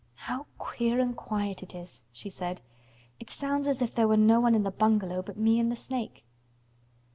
"How queer and quiet it is," she said. "It sounds as if there were no one in the bungalow but me and the snake."